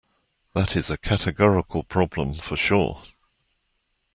This is a categorical problem for sure.